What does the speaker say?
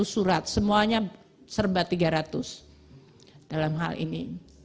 lima ratus surat semuanya serba tiga ratus dalam hal ini